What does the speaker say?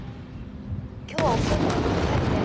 今日は遅いからもう帰って。